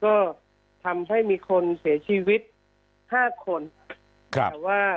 ก็ทำให้มีคนเสียชีวิตห้าคนแต่ว่า